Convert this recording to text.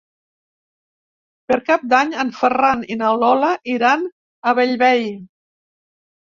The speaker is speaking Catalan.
Per Cap d'Any en Ferran i na Lola iran a Bellvei.